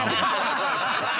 ハハハハハ！